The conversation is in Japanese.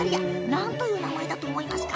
何という名前だと思いますか？